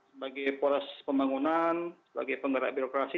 sebagai poros pembangunan sebagai penggerak birokrasi